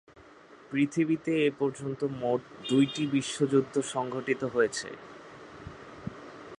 পৃথিবীতে এ পর্যন্ত মোট দুইটি বিশ্বযুদ্ধ সংঘটিত হয়েছে।